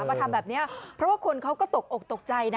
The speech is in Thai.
มาทำแบบนี้เพราะว่าคนเขาก็ตกอกตกใจนะ